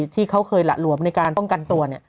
ที่เขาเคยหละหลวมในการป้องกันตัว